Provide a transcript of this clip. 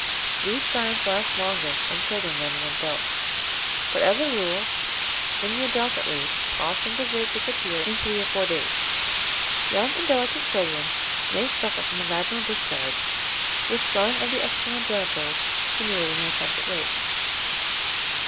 These signs last longer in children than in adults; but as a rule in the adult, at least all signs of rape disappear in three or four days. Young and delicate children may suffer from a vaginal discharge, with swelling of the external genitals, simulating an attempt at rape.